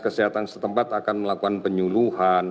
kesehatan setempat akan melakukan penyuluhan